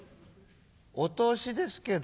お通しですけど。